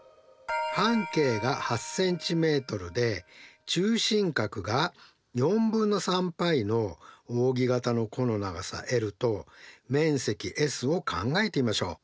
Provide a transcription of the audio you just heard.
半径が８ｃｍで中心角が４分の３πのおうぎ形の弧の長さｌと面積Ｓを考えてみましょう。